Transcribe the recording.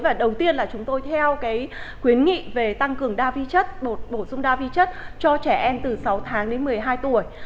và đầu tiên là chúng tôi theo cái khuyến nghị về tăng cường đa vi chất bổ sung đa vi chất cho trẻ em từ sáu tháng đến một mươi hai tuổi